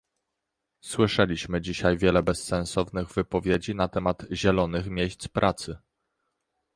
Słyszeliśmy dzisiaj wiele bezsensownych wypowiedzi na temat zielonych miejsc pracy